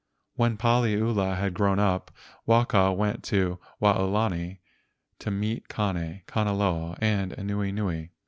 When Paliula had grown up, Waka went to Waolani to meet Kane, Kanaloa, and Anuenue.